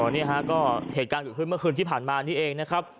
นี่ฮะก็เหตุการณ์เกิดขึ้นเมื่อคืนที่ผ่านมานี่เองนะครับ